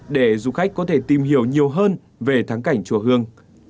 để du khách có thể tìm hiểu nhiều hơn về thắng cảnh chùa hương